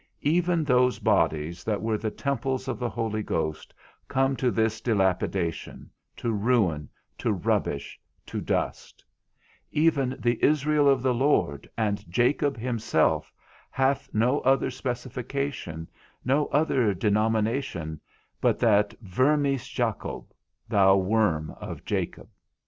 Even those bodies that were the temples of the Holy Ghost come to this dilapidation, to ruin, to rubbish, to dust; even the Israel of the Lord, and Jacob himself, hath no other specification, no other denomination, but that vermis Jacob, thou worm of Jacob.